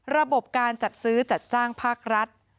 ระบบการจัดซื้อจัดจ้างภาครัฐ